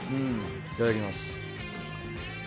いただきます。